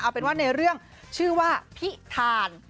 เอาเป็นว่าในเรื่องชื่อว่าพิธาน